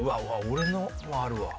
俺のもあるわ。